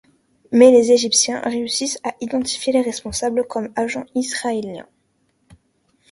Mais les Égyptiens réussissent à identifier les responsables comme agents israéliens.